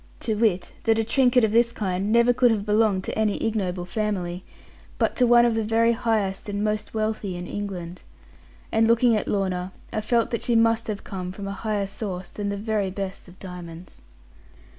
To wit, that a trinket of this kind never could have belonged to any ignoble family, but to one of the very highest and most wealthy in England. And looking at Lorna, I felt that she must have come from a higher source than the very best of diamonds.